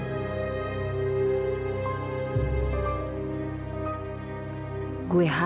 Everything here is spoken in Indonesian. tidak punya dia bagiannya